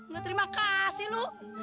ga terima kasih lu